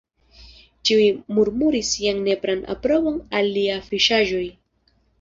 Ĉiuj murmuris sian nepran aprobon al liaj fiŝaĵoj.